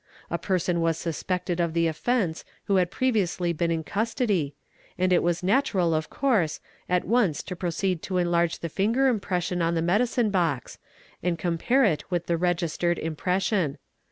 <A erson was suspected of the offence who had previously been in custody, nd it was natural, of course, at once to proceed to enlarge the finger pression on the medicine box and compare it with the registered impres ion.